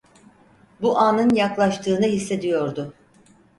Bu anın yaklaştığını hissediyordu.